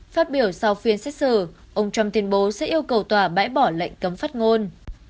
phát biểu sau phiên xét xử ông trump tuyên bố sẽ yêu cầu tòa bãi bỏ lệnh cấm phát ngôn